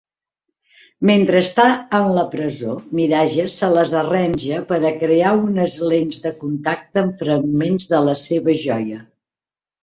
Mentre està en la presó, Mirage se les arranja per a crear unes lents de contacte amb fragments de la seva joia.